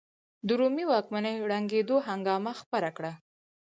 د رومي واکمنۍ ړنګېدو هنګامه خپره کړه.